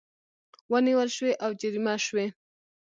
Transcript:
ونیول شوې او جریمه شوې